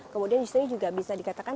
kemudian istrinya juga bisa dikatakan